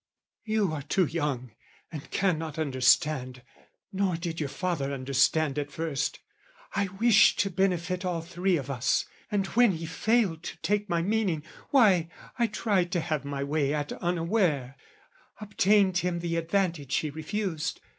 "You are too young and cannot understand, "Nor did your father understand at first. "I wished to benefit all three of us, "And when he failed to take my meaning, why, "I tried to have my way at unaware "Obtained him the advantage he refused.